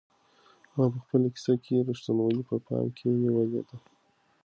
ما په خپله کيسه کې رښتینولي په پام کې نیولې ده.